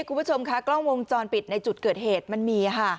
คุณผู้ชมค่ะกล้องวงจรปิดในจุดเกิดเหตุมันมีค่ะ